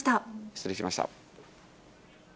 失礼しました。